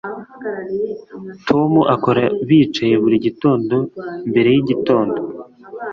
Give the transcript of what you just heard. Tom akora bicaye buri gitondo mbere yigitondo